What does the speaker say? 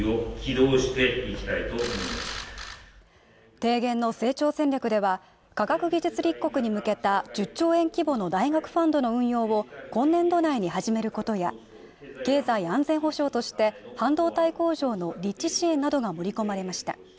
提言の成長戦略では、科学技術立国に向けた１０兆円規模の大学ファンドの運用を今年度内に始めることや、経済安全保障として半導体工場の立地支援などが盛り込まれました。